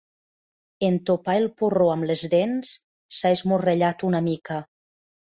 En topar el porró amb les dents, s'ha esmorrellat una mica.